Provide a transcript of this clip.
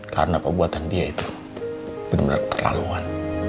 karena pebuatan dia itu bener bener terlaluan